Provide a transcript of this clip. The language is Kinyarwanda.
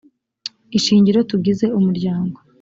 ishingiro tugize umuryango